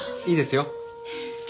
いいですよ。